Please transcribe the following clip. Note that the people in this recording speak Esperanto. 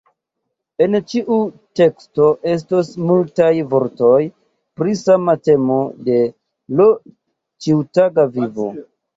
En ĉiu teksto estos multaj vortoj pri sama temo de l' ĉiutaga vivo.